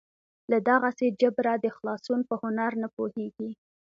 له دغسې جبره د خلاصون په هنر نه پوهېږي.